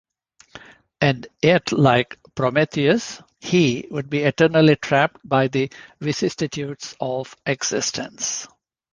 And yet like Prometheus, he would be eternally trapped by the vicissitudes of existence.